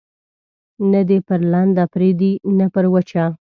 نه دي پر لنده پرېږدي، نه پر وچه.